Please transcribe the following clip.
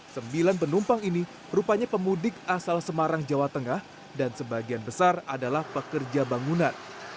sembilan penumpang ini rupanya pemudik asal semarang jawa tengah dan sebagian besar adalah pekerja bangunan